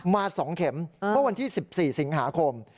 มา๒เข็มเมื่อวันที่๑๔สิงหาคม